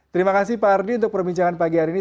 terima kasih pak ardi untuk perbincangan pagi hari ini